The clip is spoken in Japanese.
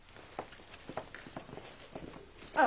あ！